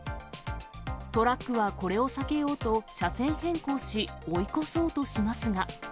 トラックはこれを避けようと車線変更し、追い越そうとしますが。